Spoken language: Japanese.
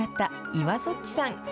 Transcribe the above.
今そっちさん。